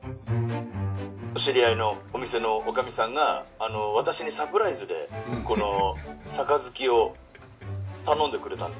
「知り合いのお店の女将さんが私にサプライズでこの杯を頼んでくれた」